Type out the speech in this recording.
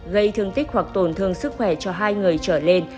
gây thương tích hoặc tổn thương sức khỏe cho hai người trở lên